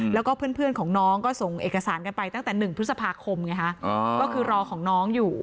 แล้วก็เพื่อนของน้องก็ส่งเอกสารกันไปตั้งแต่๑พฤษภาคมไงฮะก็คือรอของน้องอยู่